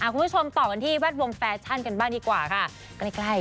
คุณผู้ชมต่อกันที่แวดวงแฟชั่นกันบ้างดีกว่าค่ะ